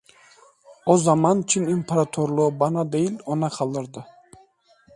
O zaman Çin İmparatorluğu bana değil, ona kalırdı…